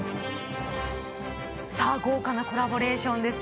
豪華なコラボレーションです。